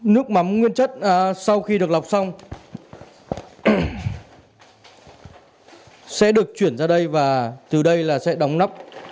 nước mắm nguyên chất sau khi được lọc xong sẽ được chuyển ra đây và từ đây là sẽ đóng nắp